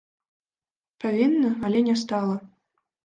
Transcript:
Павінна, але не стала.